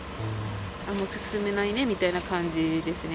もう進めないねみたいな感じですね。